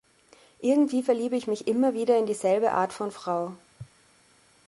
Irgendwie verliebe ich mich immer wieder in dieselbe Art von Frau.